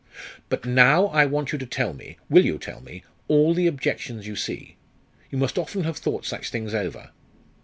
"But now I want you to tell me will you tell me? all the objections you see. You must often have thought such things over."